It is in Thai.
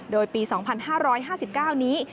โดยปี๒๕๕๙นี้